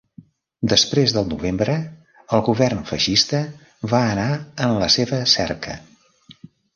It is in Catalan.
Després del novembre, el govern feixista va anar en la seva cerca.